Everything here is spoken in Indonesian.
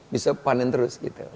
bisa panen terus gitu